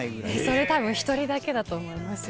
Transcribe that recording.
それ多分１人だけだと思いますよ。